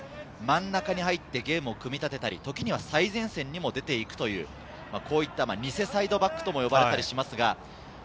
真ん中に入ってゲームを組み立てたり、時には最前線に出ていくという、こういった偽サイドバックとも呼ばれたりします。